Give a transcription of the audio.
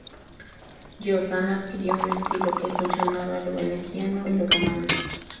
Giordano adquirió un estilo que fusionaba lo "Veneciano" y lo "Romano".